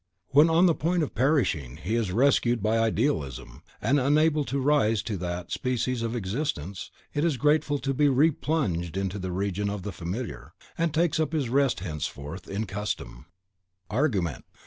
When on the point of perishing, he is rescued by Idealism, and, unable to rise to that species of existence, is grateful to be replunged into the region of the Familiar, and takes up his rest henceforth in Custom. (Mirror of Young Manhood.) .... ARGUMENT.